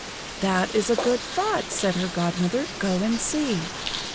"That is a good thought," said her Godmother, "go and see."